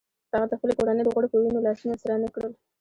هغه د خپلې کورنۍ د غړو په وینو لاسونه سره نه کړل.